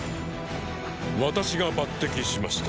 私が抜擢しました。